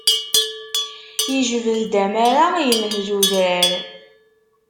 Yejbed-d amara yenhez udrar.